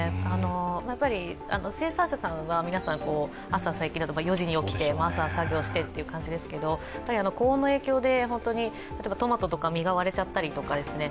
生産者さんは皆さん、最近だと朝４時に起きて朝、作業してという感じですけど、高温の影響で、トマトとか実が割れちゃったりとかですね